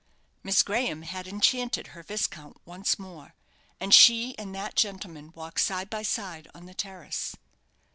Miss Graham had enchanted her viscount once more, and she and that gentleman walked side by side on the terrace.